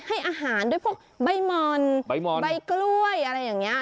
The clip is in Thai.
ให้อาหารด้วยพวกใบมอนใบมอนใบกล้วยอะไรอย่างนี้